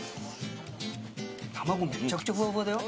卵もめちゃくちゃふわふわだよ。